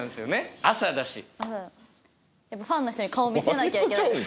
ファンの人に顔見せなきゃいけない。